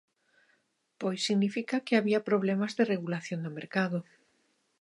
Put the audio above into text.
Pois significa que había problemas de regulación do mercado.